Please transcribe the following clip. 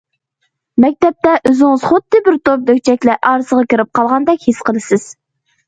مەكتەپتە ئۆزىڭىزنى خۇددى بىر توپ لۈكچەكلەر ئارىسىغا كىرىپ قالغاندەك ھېس قىلىسىز.